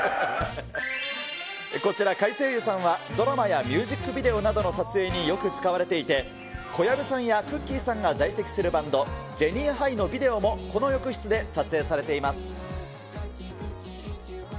こちら、改正湯さんはドラマやミュージックビデオなどの撮影によく使われていて、小籔さんやくっきー！さんが在籍するバンド、ジェニーハイのビデオもこの浴室で撮影されています。